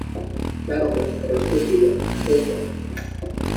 ¡ Largo, perro estúpido! ¡ suelta !